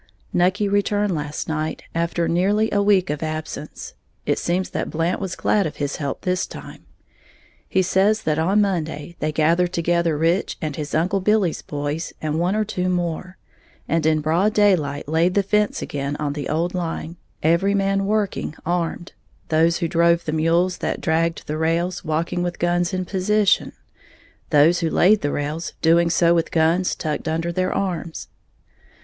_ Nucky returned last night, after nearly a week of absence, it seems that Blant was glad of his help this time. He says that on Monday they gathered together Rich and his uncle Billy's boys and one or two more, and in broad daylight laid the fence again on the old line, every man working armed, those who drove the mules that dragged the rails walking with guns in position, those who laid the rails doing so with guns tucked under their arms.